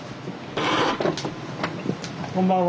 こんばんは。